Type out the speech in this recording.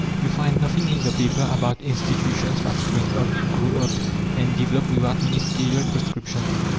You find nothing in the paper about institutions that spring up, grow up, and develop without ministerial prescription!